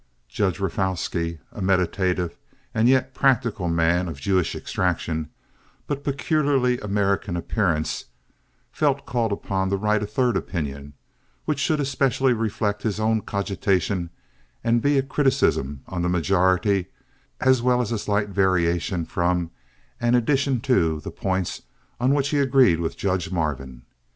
Judge Rafalsky, a meditative and yet practical man of Jewish extraction but peculiarly American appearance, felt called upon to write a third opinion which should especially reflect his own cogitation and be a criticism on the majority as well as a slight variation from and addition to the points on which he agreed with Judge Marvin.